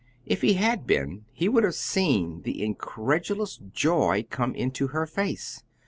If he had been he would have seen the incredulous joy come into her face.